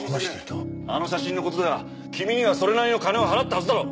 あの写真の事では君にはそれなりの金を払ったはずだろ。